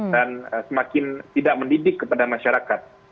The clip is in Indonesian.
dan semakin tidak mendidik kepada masyarakat